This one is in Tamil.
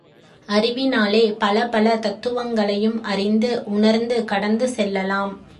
அறிவினாலே பல பல தத்துவங்களையும் அறிந்து, உணர்ந்து கடந்து செல்லலாம்.